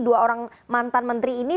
dua orang mantan menteri ini